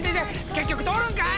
結局通るんかい！